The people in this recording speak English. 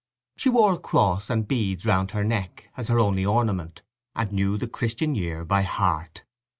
She wore a cross and beads round her neck as her only ornament, and knew the Christian Year by heart.